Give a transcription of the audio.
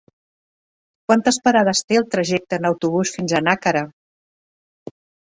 Quantes parades té el trajecte en autobús fins a Nàquera?